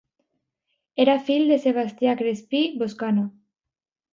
Era fill de Sebastià Crespí Boscana.